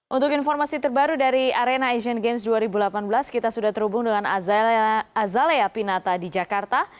untuk informasi terbaru dari arena asian games dua ribu delapan belas kita sudah terhubung dengan azalea pinata di jakarta